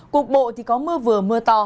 cục bộ có mưa vừa mưa to